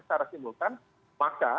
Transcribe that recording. secara simbol maka